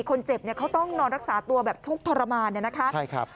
คนเจ็บเขาต้องนอนรักษาตัวแบบทุกข์ทรมานนะครับ